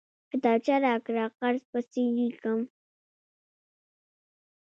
کتابچه راکړه، قرض پسې ليکم!